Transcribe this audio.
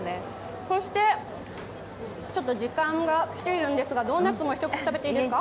そしてちょっと時間が来ているんですが、ドーナツも一口食べていいですか。